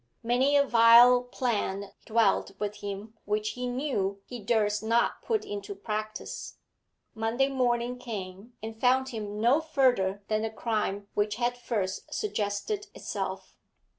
Many a vile plan dwelt with him which he knew he durst not put into practice. Monday morning came and found him no further than the crime which had first suggested itself.